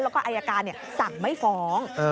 แล้วก็อายการสั่งไม่ฟ้อง